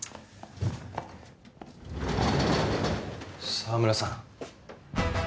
澤村さん。